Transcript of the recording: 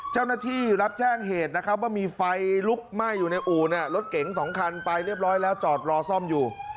เจ้าหน้าที่รับแจ้งเหตุนะครับว่ามีไฟลุกไหม้อยู่ในอู่รถเก๋ง๒คันไปเรียบร้อยแล้วจอดรอซ่อมอยู่